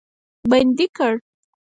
بندي کړ.